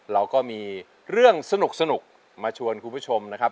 เราก็มีเรื่องสนุกมาชวนคุณผู้ชมนะครับ